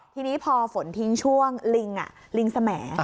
ทีนี้พอฝนทิ้งช่วงลิงลิงแสม